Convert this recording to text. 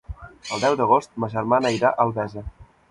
El deu d'agost ma germana irà a Albesa.